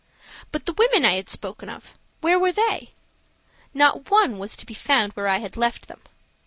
But the women I had spoken of, where were they? Not one was to be found where I had left them.